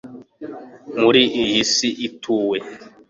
muri iyi si ituwe